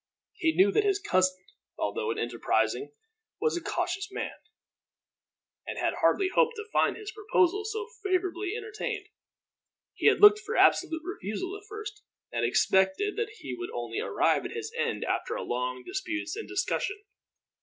He knew that his cousin although an enterprising was a cautious man, and had hardly hoped to find his proposal so favorably entertained. He had looked for absolute refusal at first, and expected that he would only arrive at his end after long disputes and discussion.